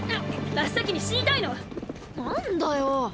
真っ先に死にたいの⁉何だよ。